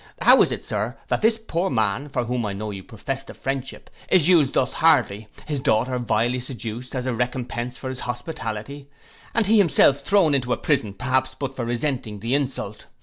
How is it, Sir, that this poor man, for whom I know you professed a friendship, is used thus hardly? His daughter vilely seduced, as a recompence for his hospitality, and he himself thrown into a prison perhaps but for resenting the insult?